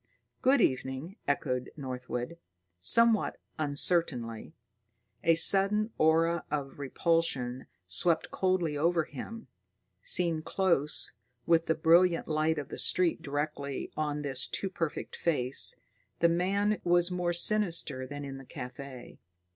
"Good evening," echoed Northwood, somewhat uncertainly. A sudden aura of repulsion swept coldly over him. Seen close, with the brilliant light of the street directly on his too perfect face, the man was more sinister than in the café.